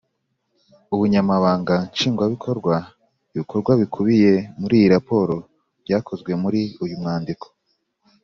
Ubunyamabanga Nshingwabikorwa Ibikorwa bikubiye muri iyi raporo byakozwe muri uyu mwandiko